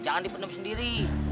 jangan dipenuhi sendiri